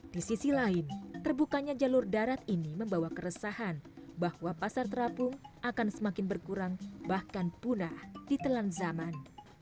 di sisi lain terbukanya jalur darat ini membawa keresahan bahwa pasar terapung akan semakin berkurang bahkan punah ditelan zaman